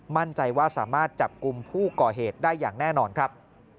มั่นใจว่าสามารถจับกลุ่มผู้ก่อเหตุได้อย่างแน่นอนครับ